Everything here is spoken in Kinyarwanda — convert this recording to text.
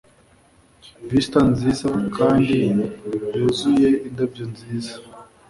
Vista nziza kandi yuzuye indabyo nziza